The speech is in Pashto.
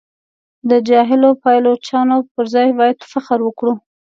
د جاهلو پایلوچانو پر ځای باید فخر وکړو.